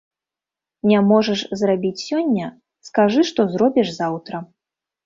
Не можаш зрабіць сёння, скажы, што зробіш заўтра.